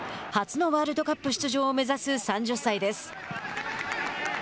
初のワールドカップ出場を目指す３０歳です。